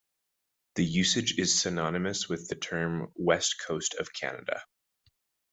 The usage is synonymous with the term West Coast of Canada.